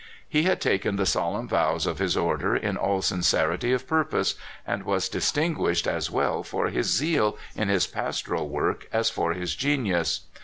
He had taken the sol emn vows of his Order in all sincerity of purpose, and was distinguished as well for his zeal in his pastoral w^ork as for his genius.